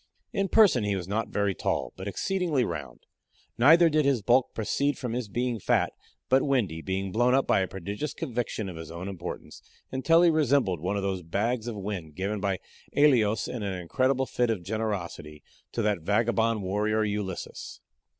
In person he was not very tall, but exceedingly round; neither did his bulk proceed from his being fat, but windy, being blown up by a prodigious conviction of his own importance, until he resembled one of those bags of wind given by Æolus, in an incredible fit of generosity, to that vagabond warrior Ulysses.